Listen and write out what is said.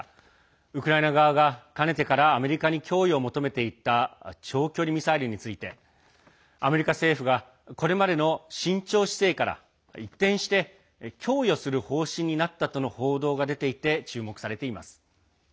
ウクライナ側が、かねてからアメリカに供与を求めていた長距離ミサイルについてアメリカ政府がこれまでの慎重姿勢から一転して供与する方針になったとの報道が出ていて注目されています。